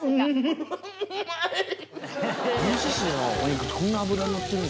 イノシシのお肉こんな脂のってるんですね。